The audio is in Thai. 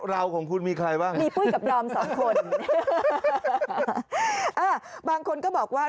เราของคุณมีใครบ้างมีปุ้ยกับดอมสองคนอ่าบางคนก็บอกว่า